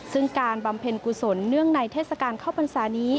ซึ่งการบำเพ็ญกุศลเนื่องในเทศกาลเข้าพรรษานี้